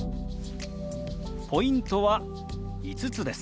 ポイントは５つです。